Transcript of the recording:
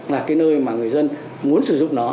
là cái nơi mà người dân muốn sử dụng nó